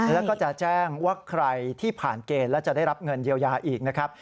แล้วก็จะแจ้งว่าใครที่ผ่านเกณฑ์แล้วจะได้รับเงินเยียวยาอีกนะครับ